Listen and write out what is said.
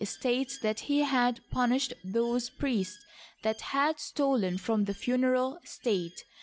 states that he had punished those priests that had stolen from the funereal estate.